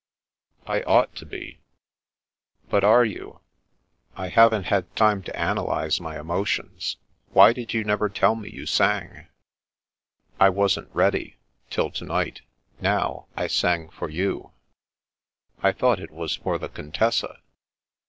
" I ought to be." " But are you ?"" I haven't had time to analyse my emotions. Why did you never tell me you sang ?"" I wasn't ready — ^till to night. Now — ^I sang for you." " I thought it was for the Contessa."